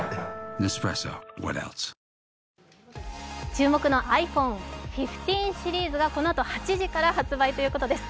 注目のｉＰｈｏｎｅ１５シリーズがこのあと、８時から発売ということです。